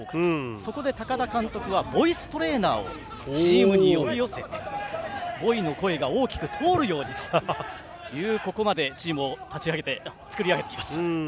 そこで高田監督はボイストレーナーをチームに呼び寄せてボイの声が大きく通るようにとここまでチームを作り上げてきました。